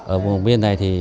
ở vùng biên này